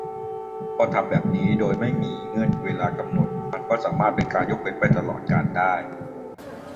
พอทำแบบนี้ โดยไม่มีเงื่อนเวลากำหนด มันก็สามารถเป็นการยกเว้นไปตลอดกาลได้